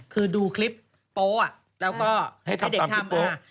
คือดูคลิปโป๊ะแล้วก็ให้เด็กทำ